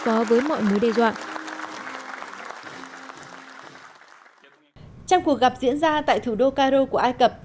phó với mọi mối đe dọa trong cuộc gặp diễn ra tại thủ đô cairo của ai cập